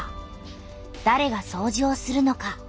だれがそうじをするのか？